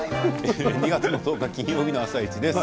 ２月の１０日金曜日の「あさイチ」です。